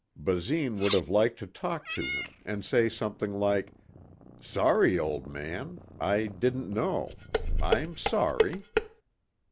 Basine would have liked to talk to him and say something like, "Sorry, old man. I didn't know. I'm sorry...."